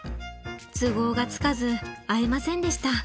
都合がつかず会えませんでした。